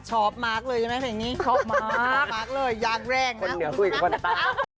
ชอบมาร์คเลยใช่ไหมแผ่งนี้ชอบมาร์คมาร์คเลยยางแรกนะ